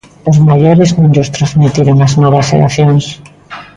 Os maiores non llos transmitiron á novas xeracións.